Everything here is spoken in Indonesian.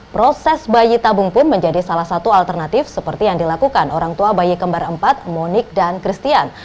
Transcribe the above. proses bayi tabung pun menjadi salah satu alternatif seperti yang dilakukan orang tua bayi kembar empat monik dan christian